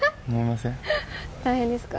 大変ですか？